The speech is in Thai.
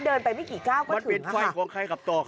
เดินไปไม่กี่ก้าวก็ถึงค่ะค่ะวัดปิดไฟโค้งไข้กับตัว